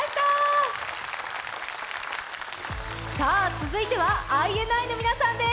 続いてはＩＮＩの皆さんです。